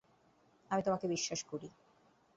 আমি তোমাকে বিশ্বাস করি।